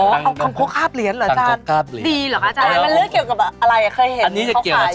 อ๋อคังคกคาบเหรียญเหรออาจารย์